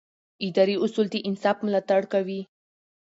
اداري اصول د انصاف ملاتړ کوي.